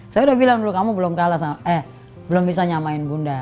saya sudah bilang dulu kamu belum bisa nyamain bunda